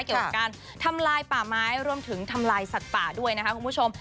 เกี่ยวกับการทำลายป่าไม้รวมถึงทำลายสัตว์ป่าด้วยนะคะคุณผู้ชม